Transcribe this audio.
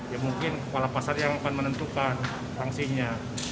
ya mungkin kepala pasar yang akan menentukan sanksinya